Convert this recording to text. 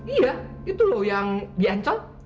iya itu loh yang di ancol